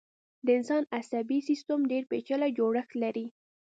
د انسان عصبي سيستم ډېر پيچلی جوړښت لري.